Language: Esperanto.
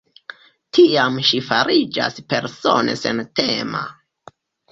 Tiam ŝi fariĝas persone sentema.